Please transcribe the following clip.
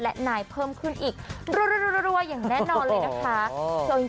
และนายเพิ่มขึ้นอีกรัวอย่างแน่นอนเลยนะคะ